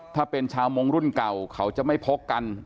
ถ้าเป็นชาวมงค์รุ่นเก่าเขาจะไม่พกกัน